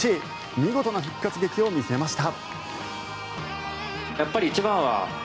見事な復活劇を見せました。